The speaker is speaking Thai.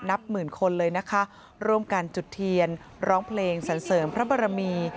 นับหมื่นคนเลยนะคะร่วมกันจุดเทียนร้องเพลงสันเสริมพระบรมี